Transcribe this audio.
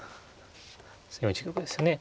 ４一玉ですよね。